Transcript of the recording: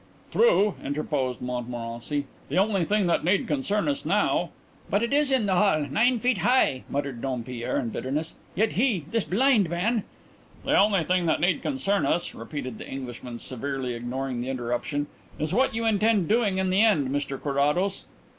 "True," interposed Montmorency. "The only thing that need concern us now " "But it is in the hall nine feet high," muttered Dompierre in bitterness. "Yet he, this blind man " "The only thing that need concern us," repeated the Englishman, severely ignoring the interruption, "is what you intend doing in the end, Mr Carrados?"